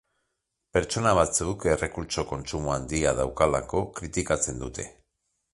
Pertsona batzuk errekurtso kontsumo handia daukalako kritikatzen dute.